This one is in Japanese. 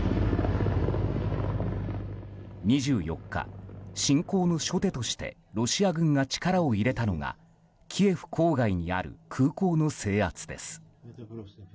２４日、侵攻の初手としてロシア軍が力を入れたのがキエフ郊外にある空港の制圧です。